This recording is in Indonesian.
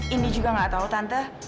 ini juga gak tau tante